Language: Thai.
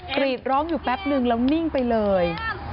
กรีดร้องอยู่แป๊บนึงแล้วนิ่งไปเลย